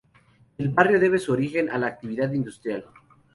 El barrio debe su origen a la actividad industrial.